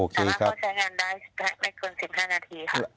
ใช่ไหมครับใช่ค่ะสำหรับการใช้งานได้ไม่เกิน๑๕นาทีครับ